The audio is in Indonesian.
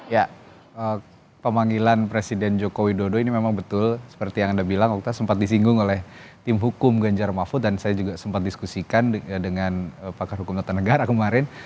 ya pemanggilan presiden joko widodo ini memang betul seperti yang anda bilang waktu sempat disinggung oleh tim hukum ganjar mahfud dan saya juga sempat diskusikan dengan pakar hukum tata negara kemarin